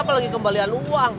apa lagi kembaliin uang